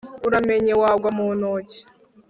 uramenye wangwa mu ntoki